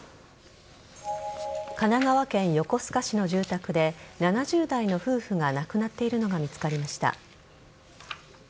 神奈川県横須賀市の住宅で７０代の夫婦が亡くなっているのが見つかりました。